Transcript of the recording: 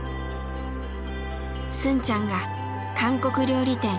スンちゃんが韓国料理店